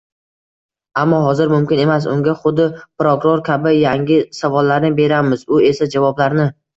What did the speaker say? Ammo hozir mumkin emas, unga xuddi prokuror kabi yangi savollarni beramiz, u esa javoblarni